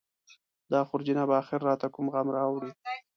دا خورجینه به اخر راته کوم غم راوړي.